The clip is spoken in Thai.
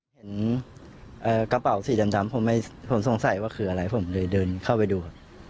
เห็นกระเป๋าสีดำผมสงสัยว่าคืออะไรผมเลยเดินเข้าไปดูครับ